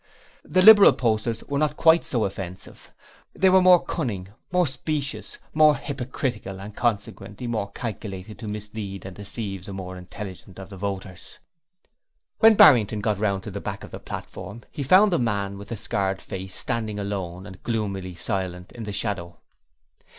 The Liberal posters were not quite so offensive. They were more cunning, more specious, more hypocritical and consequently more calculated to mislead and deceive the more intelligent of the voters. When Barrington got round to the back of the platform, he found the man with the scarred face standing alone and gloomily silent in the shadow.